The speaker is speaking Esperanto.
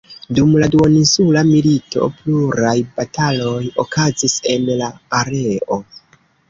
Dum la Duoninsula Milito pluraj bataloj okazis en la areo.